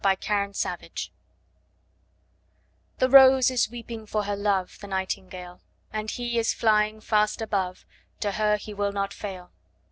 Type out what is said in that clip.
Y Z Helen's Song THE Rose is Weeping for her love, The nightingale. And he is flying Fast above, To her he will Not fail.